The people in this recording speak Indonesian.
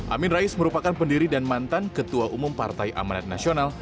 amin rais merupakan pendiri dan mantan ketua umum partai amanat nasional